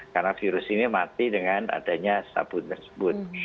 karena virus ini mati dengan adanya sabun tersebut